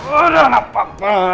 udah gak apa apa